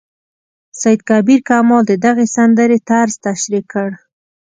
سید کبیر کمال د دغې سندرې طرز تشریح کړ.